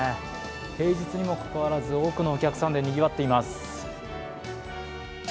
平日にもかかわらず、多くのお客さんでにぎわっています。